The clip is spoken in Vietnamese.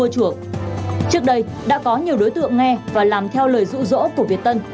trước đây đã có nhiều đối tượng nghe và làm theo lời dụ dỗ của việt tân